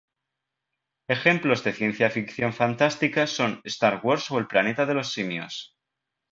Ejemplos de ciencia ficción fantástica son Star Wars o El planeta de los simios.